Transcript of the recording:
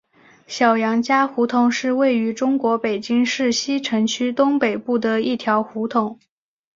小杨家胡同是位于中国北京市西城区东北部的一条胡同。